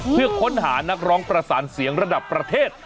เพื่อค้นหานักร้องประสานเสียงระดับประเทศ